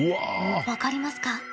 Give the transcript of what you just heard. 分かりますか？